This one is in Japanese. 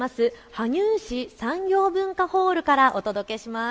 羽生市産業文化ホールからお届けします。